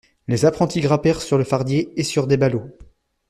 Les apprentis grimpèrent sur le fardier et sur des ballots.